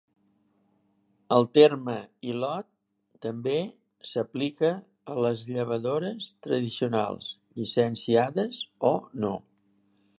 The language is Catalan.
El terme "hilot" també s'aplica a les llevadores tradicionals, llicenciades o no.